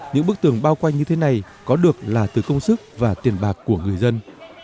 những bức tường bao quanh như thế này có được là từ công sức và tiền bạc của người dân